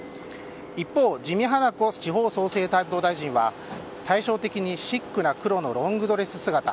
一方自見英子地方創生担当大臣は対照的にシックな黒のロングドレス姿。